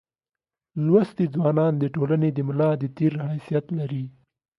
لوستي ځوانان دټولني دملا دتیر حیثیت لري.